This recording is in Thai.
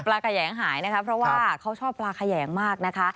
กระแหยงหายนะคะเพราะว่าเขาชอบปลาแขยงมากนะคะ